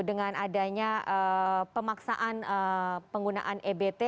dengan adanya pemaksaan penggunaan ebt